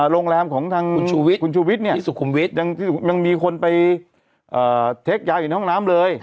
โรงแรมของชูวิตยังมีคนไปเทคยากอยู่ในห้องน้ำเลย